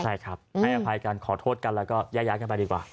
ใช่ครับให้อภัยกันขอโทษกันแล้วก็แยกย้ายกันไปดีกว่า